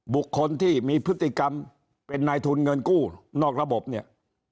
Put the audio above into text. บุคคลที่มีพฤติกรรมเป็นนายทุนเงินกู้นอกระบบเนี่ย